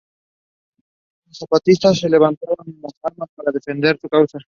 Los zapatistas se levantaron en armas para defender su causa.